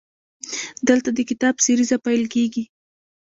دلته د کتاب سریزه پیل کیږي.